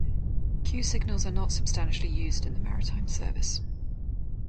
Q signals are not substantially used in the maritime service.